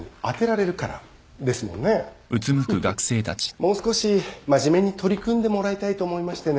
もう少し真面目に取り組んでもらいたいと思いましてね。